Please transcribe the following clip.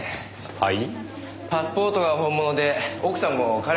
はい？